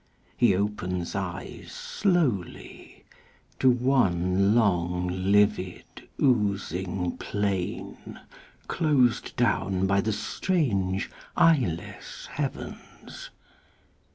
He opens eyes Slowly, to one long livid oozing plain Closed down by the strange eyeless heavens.